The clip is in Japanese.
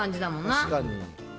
確かに。